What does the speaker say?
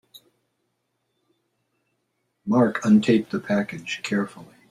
Mark untaped the package carefully.